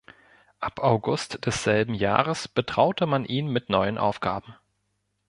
Ab August desselben Jahres betraute man ihn mit neuen Aufgaben.